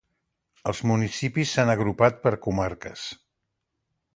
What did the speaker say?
Els municipis s'han agrupat per comarques.